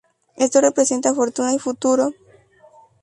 Esto representa fortuna y futuro.